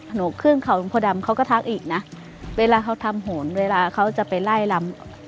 หนูขึ้นเขาหลวงพ่อดำเขาก็ทักอีกนะเวลาเขาทำโหนเวลาเขาจะไปไล่ลำ